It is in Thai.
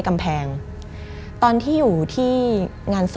มันกลายเป็นรูปของคนที่กำลังขโมยคิ้วแล้วก็ร้องไห้อยู่